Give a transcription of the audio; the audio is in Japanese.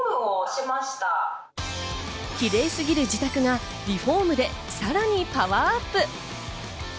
キレイすぎる自宅がリフォームでさらにパワーアップ。